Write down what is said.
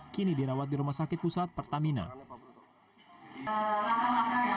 kini dirawat di rumah sakit pusat pertamina